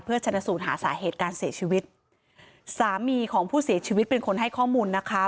เพื่อชนะสูงหาสาเหตุการณ์เสียชีวิตผู้เสียชีวิตเป็นคนให้ข้อมูลนะคะ